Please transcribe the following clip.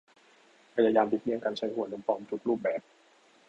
พยายามหลีกเลี่ยงการใช้หัวนมปลอมทุกรูปแบบ